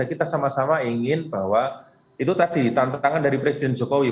jadi kita sama sama ingin bahwa itu tadi tahan petangan dari presiden jokowi